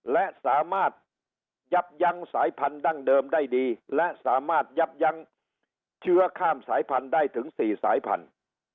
และสามารถยับยั้งสายพันธั้งเดิมได้ดีและสามารถยับยั้งเชื้อข้ามสายพันธุ์ได้ถึง๔สายพันธุ์